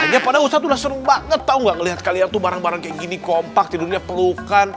ya padahal ustadz tuh udah seru banget tau nggak ngelihat kalian tuh bareng bareng kayak gini kompak tidurnya pelukan